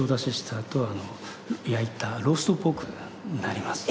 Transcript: あと焼いたローストポークになります。